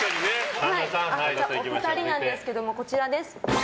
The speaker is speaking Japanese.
お二人なんですけどこちらです。